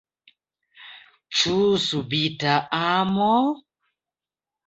Ĉu subita amo?